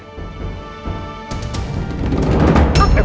tidak ada apa apa